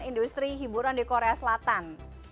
industri hiburan di korea selatan